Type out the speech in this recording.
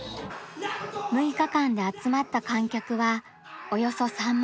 ６日間で集まった観客はおよそ３万人。